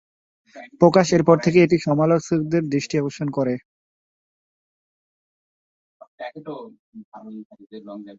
প্রকাশ এর পর থেকেই এটি সমালোচকদের দৃষ্টি আকর্ষণ করে।